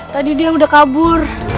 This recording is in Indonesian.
tadi dia udah kabur